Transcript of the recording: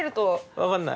分かんない。